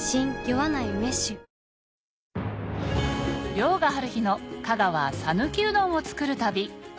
遼河はるひの香川讃岐うどんを作る旅